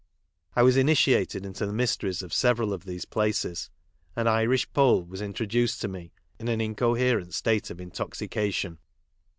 I was initiated into the mys teries of several of these places, and Irish Poll was introduced to me in an incoherent state of intoxica tion.